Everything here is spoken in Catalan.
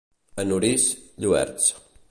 A Norís, lluerts.